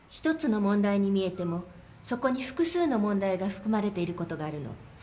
１つの問題に見えてもそこに複数の問題が含まれている事があるの。